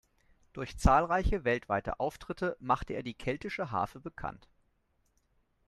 Durch zahlreiche weltweite Auftritte machte er die Keltische Harfe bekannt.